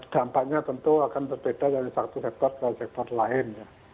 dampaknya tentu akan berbeda dari satu sektor ke sektor lain